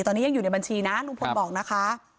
ตอนนี้ยังอยู่ในบัญชีนะลุงพลบอกนะคะ